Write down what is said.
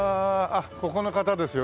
ここの方ですよ。